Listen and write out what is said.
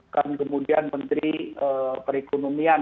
dan kemudian menteri perekonomian